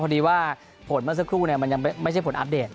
พอดีว่าผลเมื่อสักครู่มันยังไม่ใช่ผลอัปเดต